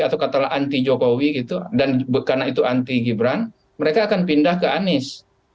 atau katalah anti jokowi karena itu anti gibran mereka akan pindah ke anis